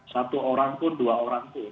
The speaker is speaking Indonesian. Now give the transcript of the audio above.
satu orang pun dua orang pun